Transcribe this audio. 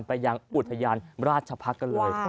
ไปยังอุทยานราชพักษ์กันเลย